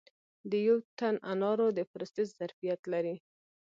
د یو ټن انارو د پروسس ظرفیت لري